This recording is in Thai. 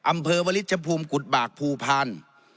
อำเภอวลิชภูมิกุฎบากภูพันธ์